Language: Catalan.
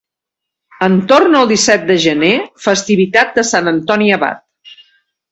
Entorn el disset de gener, festivitat de Sant Antoni Abat.